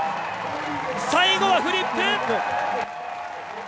最後はフリップ。